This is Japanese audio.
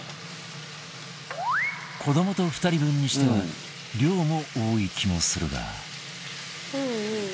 子どもと２人分にしては量も多い気もするが